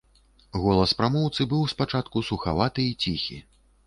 Голас прамоўцы быў спачатку сухаваты і ціхі.